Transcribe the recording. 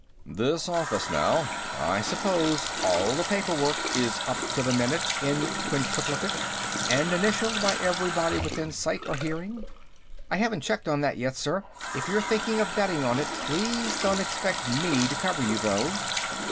"This office, now; I suppose all the paperwork is up to the minute in quintulplicate, and initialed by everybody within sight or hearing?" "I haven't checked on that yet, sir. If you're thinking of betting on it, please don't expect me to cover you, though."